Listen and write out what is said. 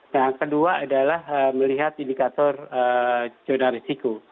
yang kedua adalah melihat indikator jodoh risiko